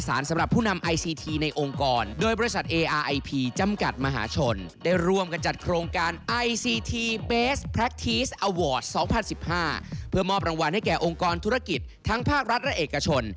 ถึงการลงทุรกิจทั้งภาครัฐและเอกชน